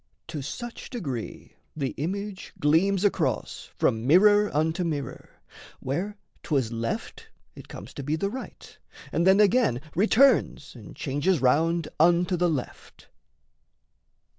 To such degree the image gleams across From mirror unto mirror; where 'twas left It comes to be the right, and then again Returns and changes round unto the left.